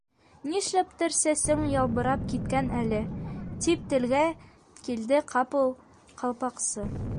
—Нишләптер сәсең ялбырап киткән әле! —тип телгә килде ҡапыл Ҡалпаҡсы.